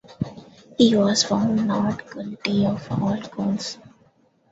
He was found not guilty of all counts.